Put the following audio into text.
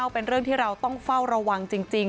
เป็นเรื่องที่เราต้องเฝ้าระวังจริง